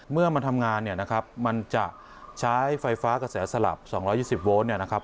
มาทำงานเนี่ยนะครับมันจะใช้ไฟฟ้ากระแสสลับ๒๒๐โวลต์เนี่ยนะครับ